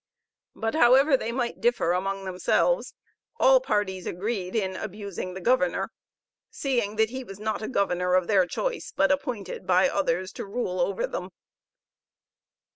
But, however they might differ among themselves, all parties agreed in abusing the governor, seeing that he was not a governor of their choice, but appointed by others to rule over them.